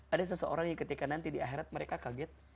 ada seseorang yang ketika nanti di akhirat mereka kaget